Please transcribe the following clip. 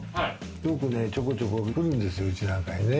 よくちょこちょこ来るんですよ、うちなんかにね。